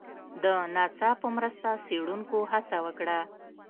د ناسا په مرسته څېړنکو هڅه وکړه